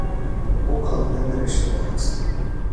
او کاملا در اشتباه است.